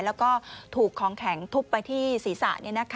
แล้วก็ถูกของแข็งทุบไปที่ศีรษะ